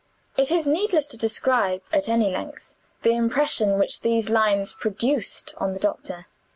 It is needless to describe, at any length, the impression which these lines produced on the doctor.